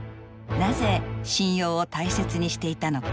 なぜ信用を大切にしていたのか。